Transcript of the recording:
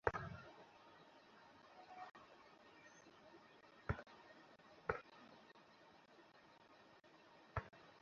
আগামীকাল বুদ্ধিজীবী দিবসে সকাল আটটায় বন্ধুসভার বন্ধুরা চাচড়ায় অবস্থিত বধ্যভূমি স্মৃতিসৌধে ফুল দেবেন।